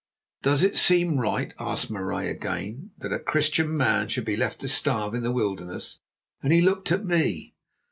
"Does it seem right," asked Marais again, "that a Christian man should be left to starve in the wilderness?" and he looked at me.